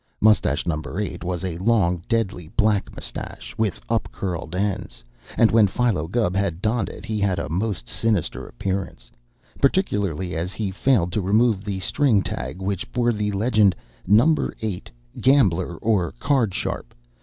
Mustache Number Eight was a long, deadly black mustache with up curled ends, and when Philo Gubb had donned it he had a most sinister appearance, particularly as he failed to remove the string tag which bore the legend, "Number Eight. Gambler or Card Sharp.